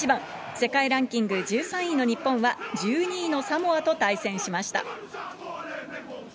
世界ランキング１３位の日本は、１２位のサモアと対戦しました。